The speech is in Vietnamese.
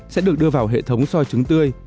sẽ được đưa vào hệ thống soi trứng tươi